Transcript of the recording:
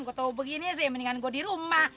gue tahu begini sih mendingan gue di rumah